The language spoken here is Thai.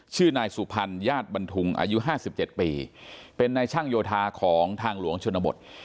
ชื่อนายสุพรรณญาติบันทุงอายุ๕๗ปีเป็นนายช่างโยธาของทางหลวงชนบท